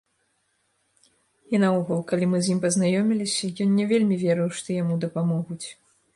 І наогул, калі мы з ім пазнаёміліся, ён не вельмі верыў, што яму дапамогуць.